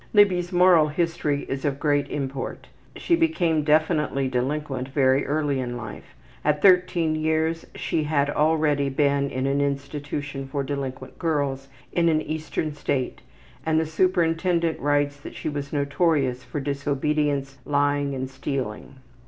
Libby's moral history is of great import. She became definitely delinquent very early in life. At 13 years she had already been in an institution for delinquent girls in an eastern State and the superintendent writes that she was notorious for disobedience, lying, and stealing.